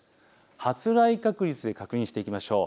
発雷確率で確認していきましょう。